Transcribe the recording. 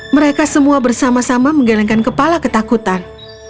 mereka semua bersama sama menggelengkan kepala ketakutan